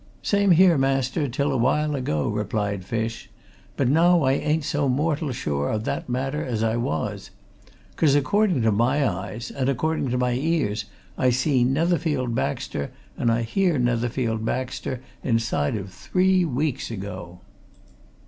"Same here, master, till awhile ago," replied Fish. "But now I ain't so mortal sure o' that matter as I was! 'Cause, according to my eyes, and according to my ears, I see Netherfield Baxter, and I hear Netherfield Baxter, inside o' three weeks ago!"